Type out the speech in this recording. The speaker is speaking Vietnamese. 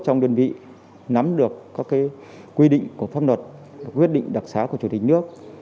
trong đơn vị nắm được các quy định của pháp luật quyết định đặc xá của chủ tịch nước